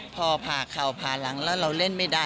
พอผ่าเข่าผ่าหลังแล้วเราเล่นไม่ได้